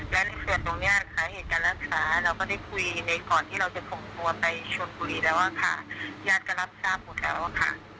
และในส่วนตรงนี้สาเหตุการรักษาเราก็ได้คุยในก่อนที่เราจะส่งตัวไปชนบุรีแล้วค่ะญาติก็รับทราบหมดแล้วค่ะ